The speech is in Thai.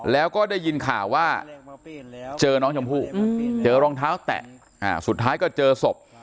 แล้วก็ได้ยินข่าวว่าเจอน้องชมพู่เจอรองเท้าแตะสุดท้ายก็เจอศพ